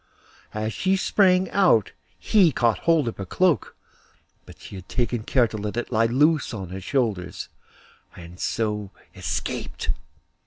As she sprang out he caught hold of her cloak; but she had taken care to let it lie loose on her shoulders, and so escaped.